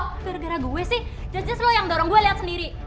iya toh gara gara gue sih judges lo yang dorong gue liat sendiri